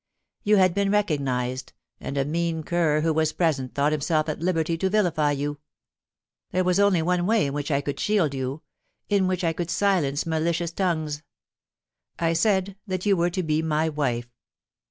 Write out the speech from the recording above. You had been re cognised, and a mean cur who was present thought himself at liberty to vilify you. There was only one way in which I could shield you — in which I could silence malicious tongues. I said that you were to be my wife.